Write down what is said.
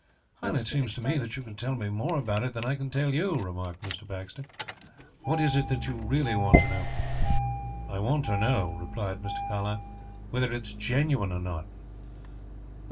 "It seems to me that you can tell me more about it than I can tell you," remarked Mr. Baxter. "What is it that you really want to know?" "I want to know," replied Mr. Carlyle, "whether it is genuine or not."